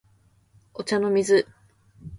お茶の水